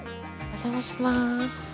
お邪魔します。